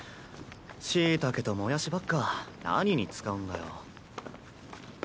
しいたけともやしばっか何に使うんだよ。